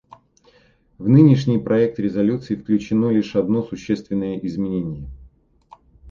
В нынешний проект резолюции включено лишь одно существенное изменение.